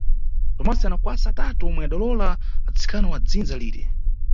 Tomasi ana wakuwasa atatu omwe adalowola atsikana wa dzindza lire.